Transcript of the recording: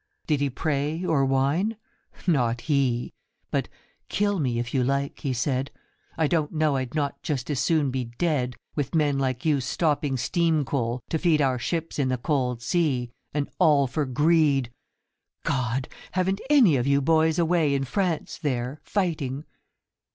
Did he pray or whine ? Not he ! But ' Kill me if you like,' he said, ' I don't know I'd not just as soon be dead With men like you stopping steam coal to feed Our ships in the cold sea— and all for greed ! God ! haven't any of you boys away In France there, fighting